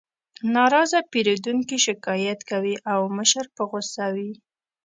ناراضه پیرودونکي شکایت کوي او مشر په غوسه وي